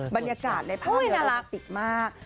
บรรยากาศในภาพเหลืออลาติกมาก